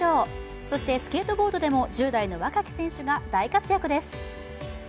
そして、スケートボードでも１０代の若き選手が大活躍です。